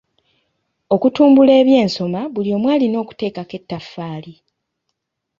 Okutumbula ebyensoma buli omu alina okuteekako ettaffaali.